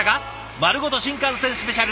まるごと新幹線スペシャル。